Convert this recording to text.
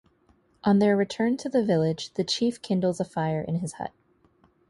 On their return to the village, the chief kindles a fire in his hut.